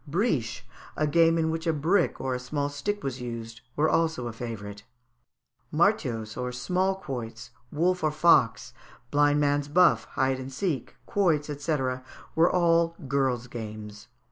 Briche, a game in which a brick and a small stick was used, were also a favourite. Martiaus, or small quoits, wolf or fox, blind man's buff, hide and seek, quoits, &c., were all girls' games.